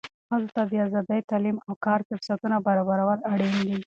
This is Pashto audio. ښځو ته د آزادۍ، تعلیم او کار فرصتونه برابرول اړین دي.